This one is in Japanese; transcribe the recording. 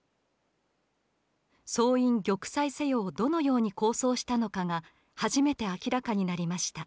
「総員玉砕せよ！」をどのように構想したのかが初めて明らかになりました。